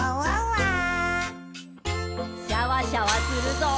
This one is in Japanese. シャワシャワするぞ。